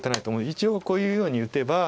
一応こういうように打てば。